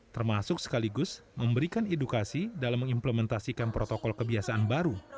termasuk sekaligus memberikan edukasi dalam mengimplementasikan protokol kebiasaan baru